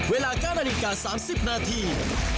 เวลาการณีการ๓๐นาที